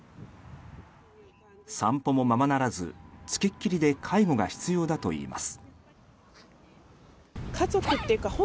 散歩もままならず付きっきりで介護が必要だといいます。